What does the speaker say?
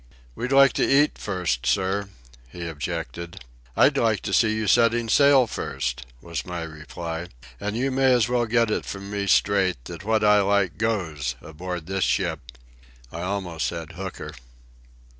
"We'd like to eat first, sir," he objected. "I'd like to see you setting sail, first," was my reply. "And you may as well get it from me straight that what I like goes, aboard this ship."—I almost said "hooker."